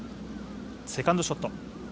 セカンドショット。